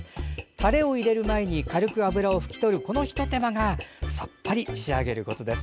タレを入れる前に軽く脂を拭き取るひと手間がさっぱり仕上げるコツです。